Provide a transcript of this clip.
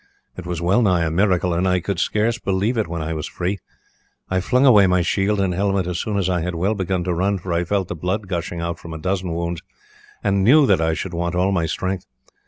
It was well nigh a miracle, and I could scarce believe it when I was free. I flung away my shield and helmet as soon as I had well begun to run, for I felt the blood gushing out from a dozen wounds, and knew that I should want all my strength.